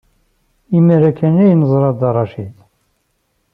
Imir-a kan ay neẓra Dda Racid.